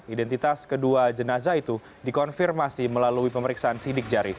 identitas kedua jenazah itu dikonfirmasi melalui pemeriksaan sidik jari